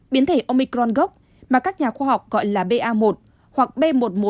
biến thể omicron gốc mà các nhà khoa học gọi là ba một hoặc b một một năm trăm hai mươi chín